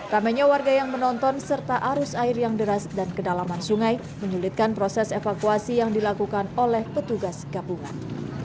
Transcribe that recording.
ramainya warga yang menonton serta arus air yang deras dan kedalaman sungai menyulitkan proses evakuasi yang dilakukan oleh petugas gabungan